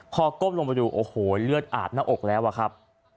พอก้มลงไปดูโอ้โหเลือดอาบหน้าอกแล้วอะครับ